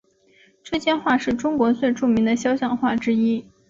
这些画是中国最著名的肖像画之一。